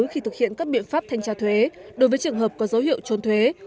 đề nghị thực hiện các biện pháp thanh tra thuế đối với trường hợp có dấu hiệu chuôn thuế